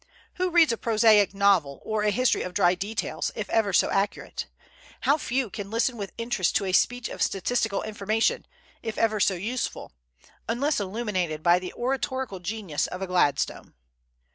Who reads a prosaic novel, or a history of dry details, if ever so accurate? How few can listen with interest to a speech of statistical information, if ever so useful, unless illuminated by the oratorical genius of a Gladstone!